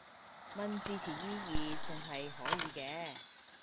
問字詞意義仲係可以嘅